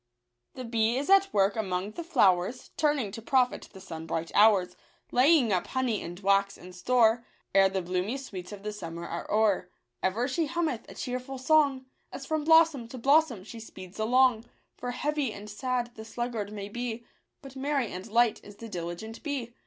The bee is at work among the flowers. Turning to profit the sunbright hours. Laying up honey and wax in store, Ere the bloomy sweets of the summer are o'er. Ever she hummeth a cheerful song, As from blossom to blossom she speeds along ; For heavy and sad the sluggard may be, But merry and light is the diligent bee.